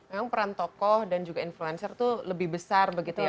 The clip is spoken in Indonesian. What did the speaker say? memang peran tokoh dan juga influencer itu lebih besar begitu ya